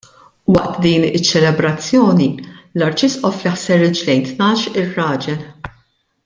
Waqt din iċ-ċelebrazzjoni l-Arċisqof jaħsel riġlejn tnax-il raġel.